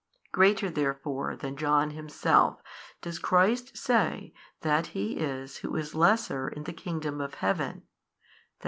Greater therefore than John himself does Christ say that he is who is lesser in the kingdom of Heaven, i.